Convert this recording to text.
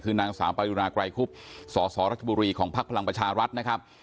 คือนางสาวปารุนาไกรคุบสสรัชบุรีภักดิ์พลังประชารัฐนะครับ